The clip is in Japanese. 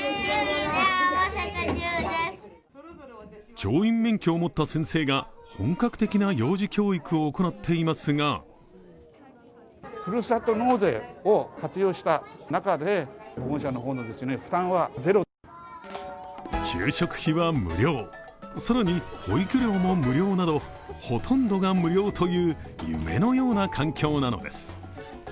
教員免許を持った先生が本格的な幼児教育を行っていますが給食費は無料、更に保育料も無料などほとんどが無料という夢のような環境なのです。